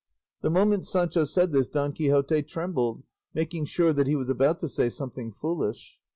The moment Sancho said this Don Quixote trembled, making sure that he was about to say something foolish.